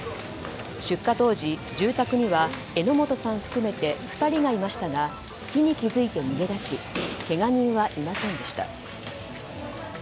出火当時住宅には榎本さん含めて２人がいましたが火に気づいて逃げ出しけが人はいませんでした。